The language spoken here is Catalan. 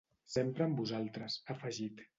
Sempre amb vosaltres, ha afegit.